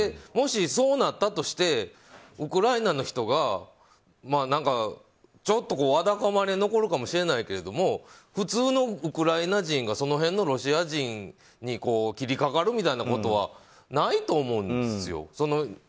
もし、そうなったとしてウクライナの人がちょっと、わだかまり残るかもしれないけれども普通のウクライナ人がその辺のロシア人に切りかかるみたいなことはないと思うんですよ。